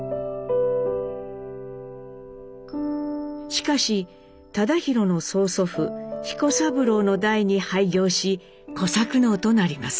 しかし忠宏の曽祖父彦三郎の代に廃業し小作農となります。